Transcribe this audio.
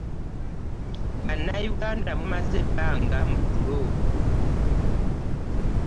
Bannayuganda mumaze ebbanga mu tulo.